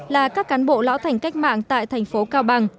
là các cán bộ lão thành cách mạng tại thành phố cao bằng